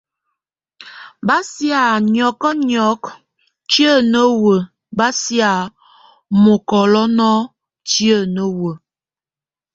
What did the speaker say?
Bá sia nyɔkɛnyɔkɛk tíe newe bá sia mukoloŋok tíe newe.